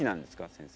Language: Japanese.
先生。